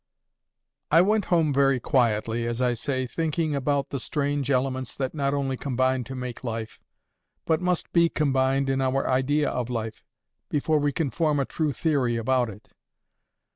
I went home very quietly, as I say, thinking about the strange elements that not only combine to make life, but must be combined in our idea of life, before we can form a true theory about it.